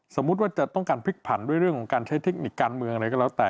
สมมุติว่าจะต้องการพลิกผันด้วยเรื่องของการใช้เทคนิคการเมืองอะไรก็แล้วแต่